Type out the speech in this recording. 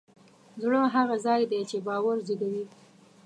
زړه هغه ځای دی چې باور زېږوي.